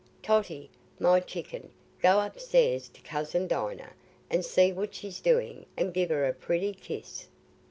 Totty, my chicken, go upstairs to cousin Dinah, and see what she's doing, and give her a pretty kiss."